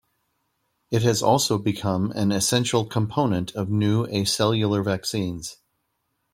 It has also become an essential component of new acellular vaccines.